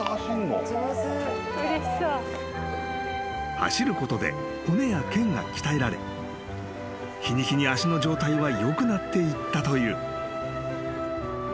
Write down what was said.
［走ることで骨やけんが鍛えられ日に日に脚の状態は良くなっていったという］